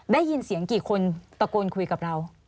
ได้ยินเสียงกี่คนตะโกนคุยกับเรา